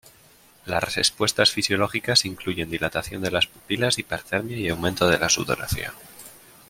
Las respuestas fisiológicas incluyen dilatación de las pupilas, hipertermia y aumento de la sudoración.